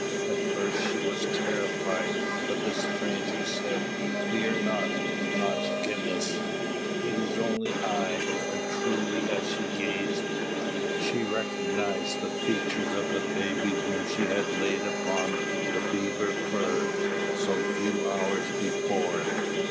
At first, she was terrified; but the stranger said, "Fear not, 'Nochgemiss,' it is only I!" and truly, as she gazed, she recognized the features of the baby whom she had laid upon the beaver fur, so few hours before.